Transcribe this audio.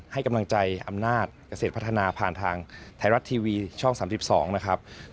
ให้กำลังใจอำนาจเกษตรพัฒนาผ่านทางไทยรัฐทีวีช่อง๓๒นะครับ